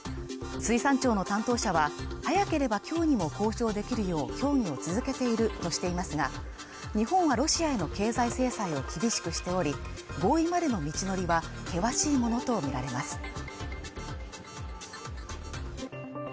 水産庁の担当者は早ければきょうにも公表できるよう協議を続けているとしていますが日本はロシアへの経済制裁を厳しくしており合意までの道のりは険しいものと見られます